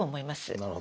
なるほど。